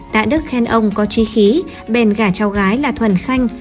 tạ đức khen ông có trí khí bèn gà cháu gái là thuần khanh